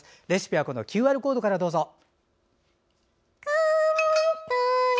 レシピはＱＲコードからどうぞ。